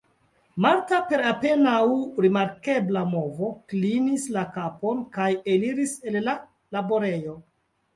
Marta per apenaŭ rimarkebla movo klinis la kapon kaj eliris el la laborejo.